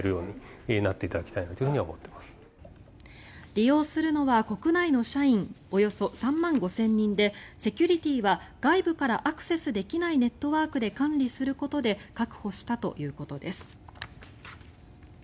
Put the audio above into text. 利用するのは国内の社員およそ３万５０００人でセキュリティーは、外部からアクセスできないネットワークで管理することで確保したということです。